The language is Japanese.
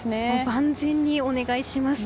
万全にお願いします。